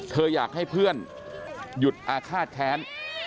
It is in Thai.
อยากให้เพื่อนหยุดอาฆาตแค้น